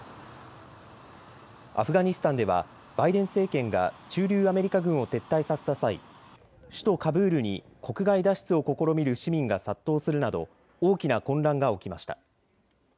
アフガニスタンではバイデン政権が駐留アメリカ軍を撤退させた際、首都カブールに国外脱出を試みる市民が殺到するなど大きな混乱が起きました。